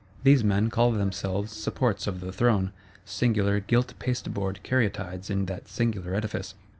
These men call themselves supports of the throne, singular gilt pasteboard caryatides in that singular edifice!